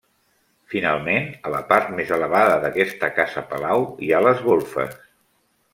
Finalment a la part més elevada d'aquesta casa-palau hi ha les golfes.